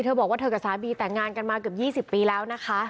บอกว่าเธอกับสามีแต่งงานกันมาเกือบ๒๐ปีแล้วนะคะ